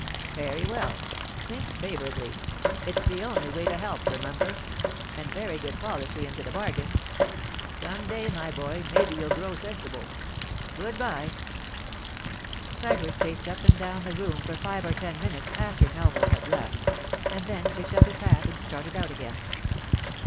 'Very well; think favourably. It's the only way to help, remember—and very good policy into the bargain. Some day, my boy, maybe you'll grow sensible. Good bye.' Sybert paced up and down the room for five or ten minutes after Melville had left, and then picked up his hat and started out again.